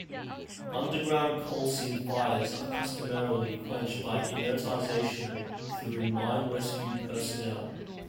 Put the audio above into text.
Underground coal seam fires are customarily quenched by inertization through mine rescue personnel.